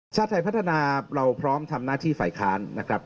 ชาติไทยพัฒนาเราพร้อมทำหน้าที่ฝ่ายค้านนะครับ